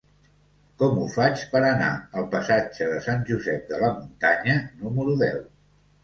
Com ho faig per anar al passatge de Sant Josep de la Muntanya número deu?